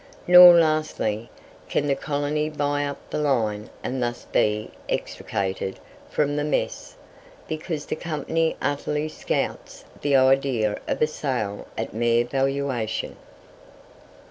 Nor, lastly, can the colony buy up the line and thus be extricated from the mess, because the company utterly scouts the idea of a sale at mere valuation.